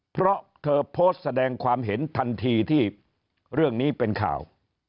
เพราะเธอโพสต์แสดงความเห็นทันทีที่เรื่องนี้เป็นข่าว